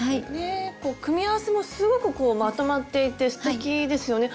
組み合わせもすごくまとまっていてすてきですよね。